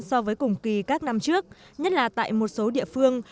so với cùng kỳ các năm trước nhất là tại một số địa phương